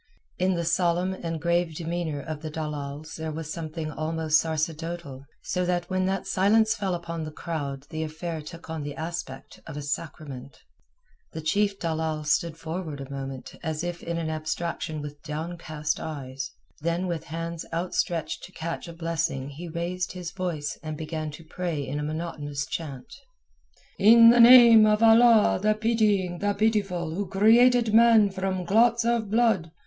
In the solemn and grave demeanour of the dalals there was something almost sacerdotal, so that when that silence fell upon the crowd the affair took on the aspect of a sacrament. The chief dalal stood forward a moment as if in an abstraction with downcast eyes; then with hands outstretched to catch a blessing he raised his voice and began to pray in a monotonous chant: "In the name of Allah the Pitying the Pitiful Who created man from clots of blood!